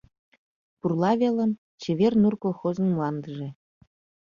Пурла велым — «Чевер нур» колхозын мландыже.